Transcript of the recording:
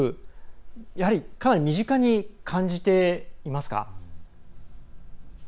やはりかなり身近に感じていますか。